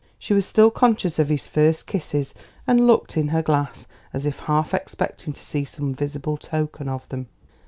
She was still conscious of his first kisses, and looked in her glass, as if half expecting to see some visible token of them.